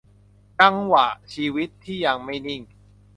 จังหวะชีวิตที่ยังไม่นิ่ง